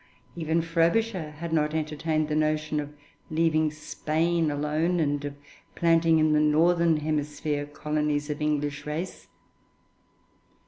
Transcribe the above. Even Frobisher had not entertained the notion of leaving Spain alone, and of planting in the northern hemisphere colonies of English race.